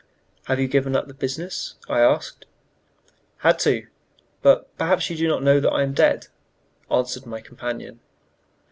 "Have you given up the business?" I asked. "Had to; but perhaps you do not know that I am dead," answered my companion.